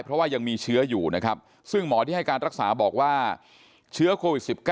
เพราะว่ายังมีเชื้ออยู่นะครับซึ่งหมอที่ให้การรักษาบอกว่าเชื้อโควิด๑๙